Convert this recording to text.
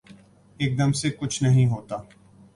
ایک دم سے کچھ نہیں ہوتا۔